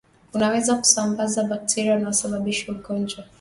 unaweza kusambaza bakteria wanaosababisha ugonjwa